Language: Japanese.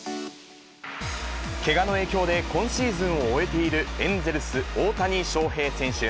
けがの影響で今シーズンを終えているエンゼルス、大谷翔平選手。